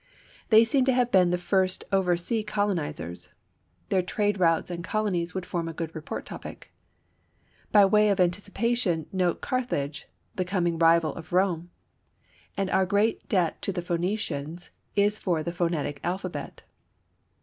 They seem to have been the first over sea colonizers. Their trade routes and colonies would form a good report topic. By way of anticipation note Carthage, the coming rival of Rome. And our great debt to the Phœnicians is for the phonetic alphabet.